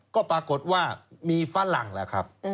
ก็ปรากฏว่ามีฝรั่งแล้วครับ